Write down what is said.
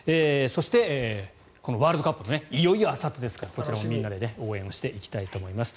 そして、ワールドカップもいよいよあさってですからこちらもみんなで応援していきたいと思います。